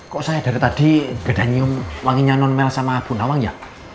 kok saya dari tadi beda nyium wanginya non mel sama bu nawang ya